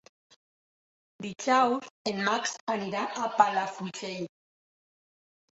Dijous en Max anirà a Palafrugell.